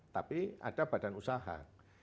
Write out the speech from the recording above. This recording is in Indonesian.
tapi ada badan usaha